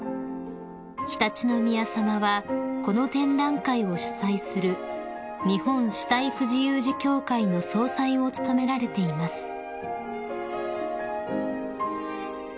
［常陸宮さまはこの展覧会を主催する日本肢体不自由児協会の総裁を務められています］